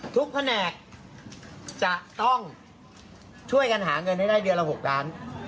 แผนกจะต้องช่วยกันหาเงินให้ได้เดือนละ๖ล้าน